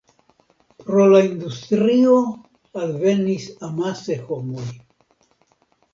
Pro la industrio alvenis amase homoj.